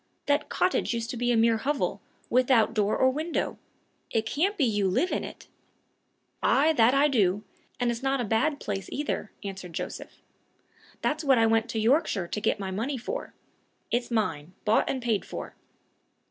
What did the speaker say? That cottage used to be a mere hovel, without door or window! It can't be you live in it?" "Ay, that I do! and it's not a bad place either," answered Joseph. "That's what I went to Yorkshire to get my money for. It's mine bought and paid for."